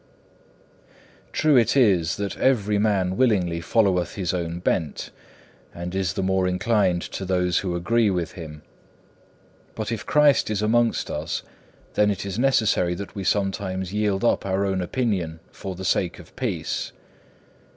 2. True it is that every man willingly followeth his own bent, and is the more inclined to those who agree with him. But if Christ is amongst us, then it is necessary that we sometimes yield up our own opinion for the sake of peace.